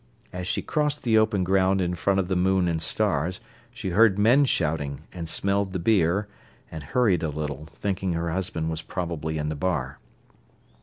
As she crossed the open ground in front of the Moon and Stars she heard men shouting, and smelled the beer, and hurried a little, thinking her husband was probably in the bar.